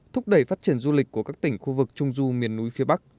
thúc đẩy phát triển du lịch của các tỉnh khu vực trung du miền núi phía bắc